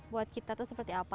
buat kita tuh seperti apa